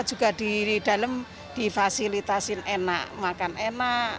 juga di dalam difasilitasi enak makan enak